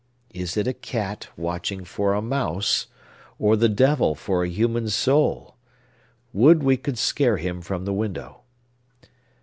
Is it a cat watching for a mouse, or the devil for a human soul? Would we could scare him from the window!